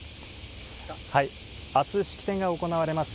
あす式典が行われます